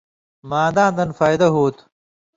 معداں دن فائدہ ہوتُھو۔